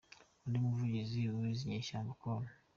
Undi muvugizi w’izi nyeshyamba , Col.